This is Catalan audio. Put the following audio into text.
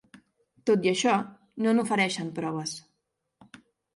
Tot i això, no n’ofereixen proves.